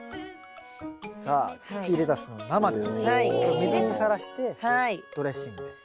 水にさらしてドレッシングで。